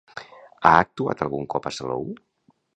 Ha actuat algun cop a Salou?